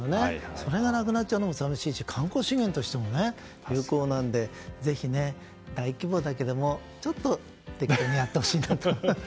それがなくなっちゃうのも寂しいし、観光資源としても有効なのでぜひ、大規模だけれどもちょっと適度にやってほしいなと思います。